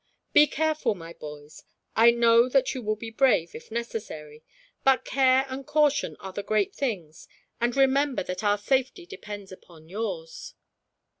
"Be careful, my boys. I know that you will be brave, if necessary; but care and caution are the great things, and remember that our safety depends upon yours."